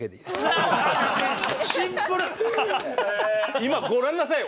今ご覧なさいよ。